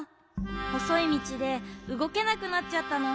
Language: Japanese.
ほそいみちでうごけなくなっちゃったの。